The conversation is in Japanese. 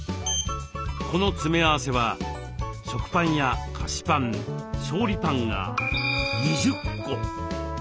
この詰め合わせは食パンや菓子パン調理パンが２０個。